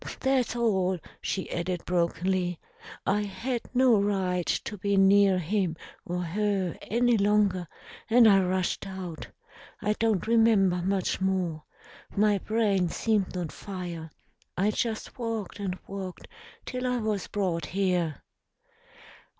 "That's all," she added brokenly. "I had no right to be near him or her any longer, and I rushed out. I don't remember much more. My brain seemed on fire. I just walked and walked till I was brought here."